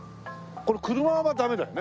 これ車はダメだよね？